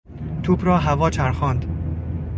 توپ را هوا چرخاند.